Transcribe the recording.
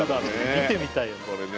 見てみたいよね。